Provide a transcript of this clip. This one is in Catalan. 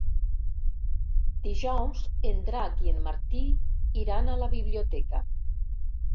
Dijous en Drac i en Martí iran a la biblioteca.